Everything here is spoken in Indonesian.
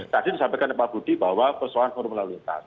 tadi disampaikan pak budi bahwa persoalan forum lalu lintas